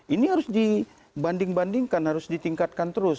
ini harus dibanding bandingkan harus ditingkatkan terus